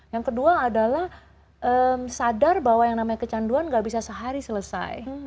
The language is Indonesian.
yang kedua adalah sadar bahwa yang namanya kecanduan gak bisa sehari selesai